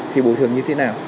thì bồi thường như thế nào